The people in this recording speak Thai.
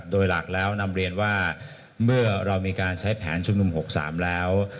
โดยหลักแล้วนำเรียนว่าเมื่อเรามีการใช้แผนชุมนุม๖๓แล้ว